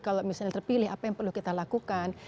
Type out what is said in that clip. kalau misalnya terpilih apa yang perlu kita lakukan